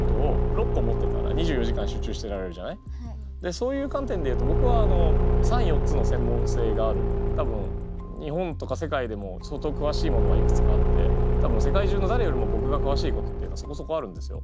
そういう観点で言うと僕は３４つの専門性がある多分日本とか世界でも相当詳しいものはいくつかあって多分世界中の誰よりも僕が詳しいことっていうのはそこそこあるんですよ。